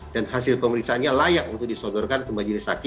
dan hasil pemeriksaannya layak untuk disodorkan ke majelis satin